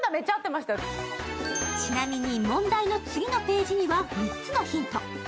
ちなみに問題の次のページには３つのヒント。